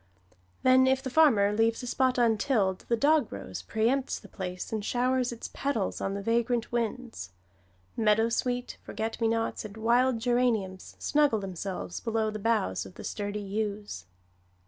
Then, if the farmer leaves a spot untilled, the dogrose pre empts the place and showers its petals on the vagrant winds. Meadowsweet, forget me nots and wild geranium snuggle themselves below the boughs of the sturdy yews.